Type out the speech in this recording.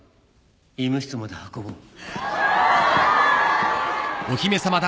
医務室まで運ぼう。